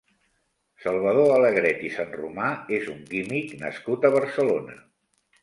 Salvador Alegret i Sanromà és un químic nascut a Barcelona.